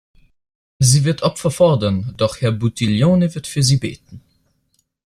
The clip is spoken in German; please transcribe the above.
Sie wird Opfer fordern, doch Herr Buttiglione wird für sie beten.